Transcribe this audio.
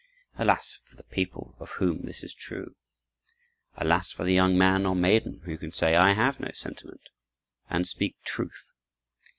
Alas for the people of whom this is true! Alas for the young man or maiden who can say, "I have no sentiment," and speak truth.